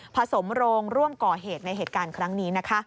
สมโรงร่วมก่อเหตุในเหตุการณ์ครั้งนี้นะคะ